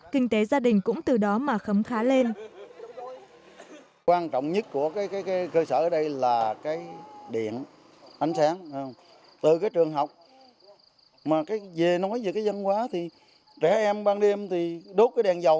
kinh tế gia đình cũng từ đó mà khấm khá lên